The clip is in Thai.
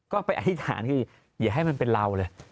ก็ไปอธิษฐานคืออย่าให้มันเป็นเราเลย